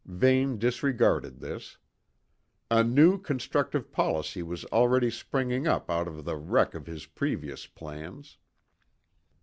Vane disregarded this. A new constructive policy was already springing up out of the wreck of his previous plans.